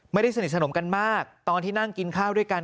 สนิทสนมกันมากตอนที่นั่งกินข้าวด้วยกัน